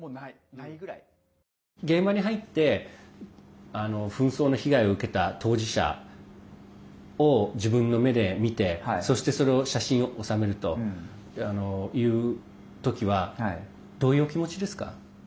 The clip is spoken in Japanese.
現場に入って紛争の被害を受けた当事者を自分の目で見てそして、それを写真を収めるという時はどういうお気持ちですか？